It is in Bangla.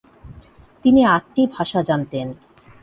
তিনি আটটি ভাষা জানতেন।